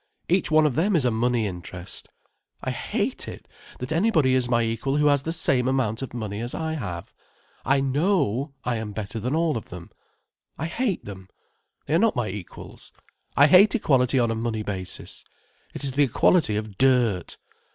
Each one of them is a money interest. I hate it, that anybody is my equal who has the same amount of money as I have. I know I am better than all of them. I hate them. They are not my equals. I hate equality on a money basis. It is the equality of dirt."